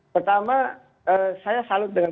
pertama saya salut dengan